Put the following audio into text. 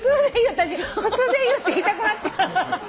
普通でいいよって言いたくなっちゃう。